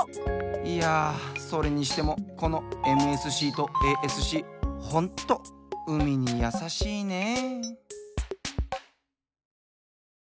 いやそれにしてもこのＭＳＣとＡＳＣホント海にやさしいね！